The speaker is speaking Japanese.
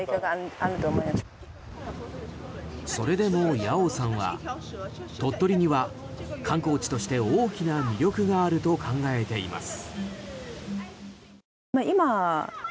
それでもヤオさんは鳥取には、観光地として大きな魅力があると考えています。